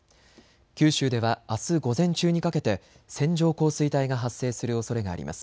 九州ではあす午前中にかけて線状降水帯が発生するおそれがあります。